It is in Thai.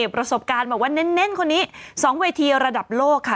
ประสบการณ์บอกว่าเน้นคนนี้๒เวทีระดับโลกค่ะ